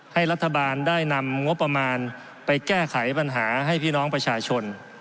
ให้รัฐบาลได้นำงบประมาณไปแก้ไขปัญหาให้พี่น้องประชาชน